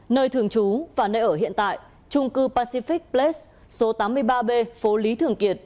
nơi thường trú và nơi ở hiện tại trung cư pacific ples số tám mươi ba b phố lý thường kiệt